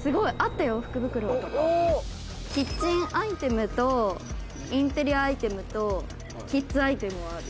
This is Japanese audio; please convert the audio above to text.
すごい。あったよ、福袋」「キッチンアイテムとインテリアアイテムとキッズアイテムもある」